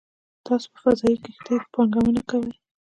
تاسو په فضايي کښتیو کې پانګونه کوئ